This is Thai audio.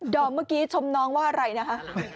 อมเมื่อกี้ชมน้องว่าอะไรนะฮะ